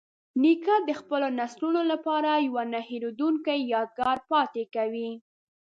نیکه د خپلو نسلونو لپاره یوه نه هیریدونکې یادګار پاتې کوي.